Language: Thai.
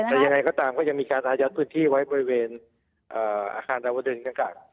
แต่ยังไงก็ตามก็ยังมีการอายัดพื้นที่ไว้บริเวณอาคารดาวดึงอากาศ